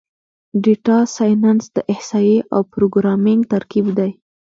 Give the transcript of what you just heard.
ډیټا سایننس د احصایې او پروګرامینګ ترکیب دی.